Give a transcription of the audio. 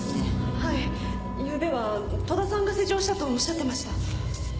はいゆうべは戸田さんが施錠したとおっしゃってました。